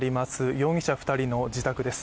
容疑者２人の自宅です。